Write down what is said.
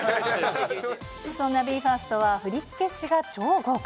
そんなＢＥＦＩＲＳＴは振付師が超豪華。